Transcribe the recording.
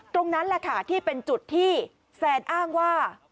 ตรงนั้นแหละค่ะที่เป็นจุดที่แซนอ้างว่า